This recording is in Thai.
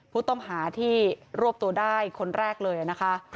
ผู้ต้องหาที่รวบตัวได้คนแรกเลยนะคะ